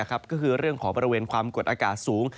ก็คือเรื่องของบริเวณความกดอากาศสูง